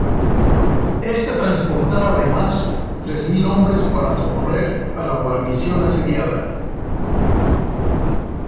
Esta transportaba además tres mil hombres para socorrer a la guarnición asediada.